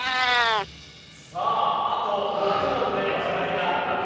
さああと６問で２人が落第。